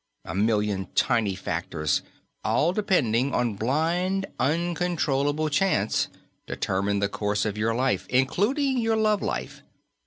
A million tiny factors, all depending on blind, uncontrollable chance, determine the course of your life including your love life....